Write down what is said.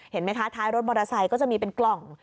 เห็นไหมคะท้ายรถมอเตอร์ไซค์ก็จะมีเป็นกล่อง